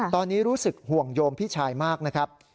ตอนนี้รู้สึกห่วงโยมพี่ชายมากนะครับ